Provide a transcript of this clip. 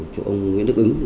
chỗ ông nguyễn đức ứng